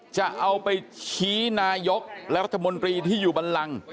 จะเอาไปชี้นายกรัฐมนตรีที่อยู่บันลัง